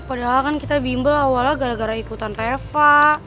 padahal kan kita bimbel awalnya gara gara ikutan reva